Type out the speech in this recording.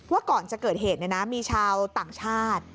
ว่าก่อนจะเกิดเหตุมีชาวต่างชาติ